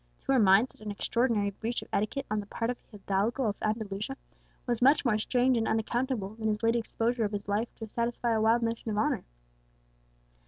To her mind such an extraordinary breach of etiquette on the part of a hidalgo of Andalusia was much more strange and unaccountable than his late exposure of his life to satisfy a wild notion of honour.